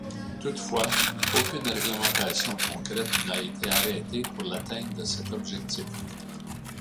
Toutefois, aucune réglementation concrète n'a été arrêtée pour l'atteinte de cet objectif.